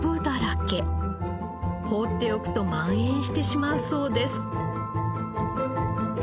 放っておくと蔓延してしまうそうです。